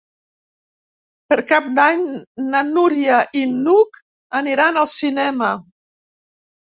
Per Cap d'Any na Núria i n'Hug aniran al cinema.